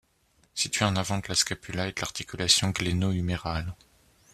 Situé en avant de la scapula et de l'articulation gléno-humérale.